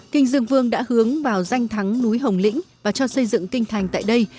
kinh dương vương đã hướng vào danh thắng núi hồng lĩnh và cho xây dựng kinh thành tại đây